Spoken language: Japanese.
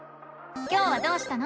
今日はどうしたの？